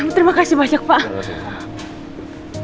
terima kasih banyak pak